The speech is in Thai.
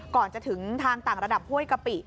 ก่อนจะถึงทางต่างระดับห้วยกะปิ